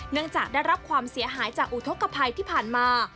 เนื่องจากได้รับความเสียหายจากอุทธกภัยที่ผ่านมา